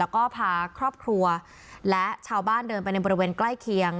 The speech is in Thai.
ก็พาครอบครัวและชาวบ้านเดินไปในบริเวณใกล้เคียง